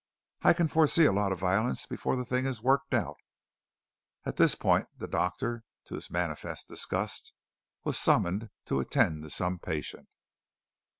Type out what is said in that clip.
"I can foresee a lot of violence before the thing is worked out." At this point the doctor, to his manifest disgust, was summoned to attend to some patient.